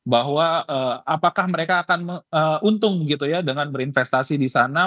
bahwa apakah mereka akan untung gitu ya dengan berinvestasi di sana